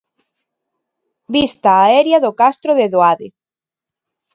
Vista aérea do Castro de Doade.